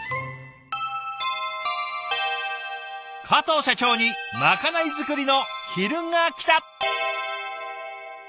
加藤社長にまかない作りの昼がきた！